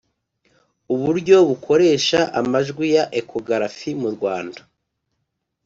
Uburyo bukoresha amajwi ya ekogarafi mu Rwanda